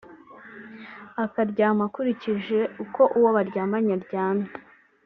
akaryama akurikije uko uwo baryamanye aryamye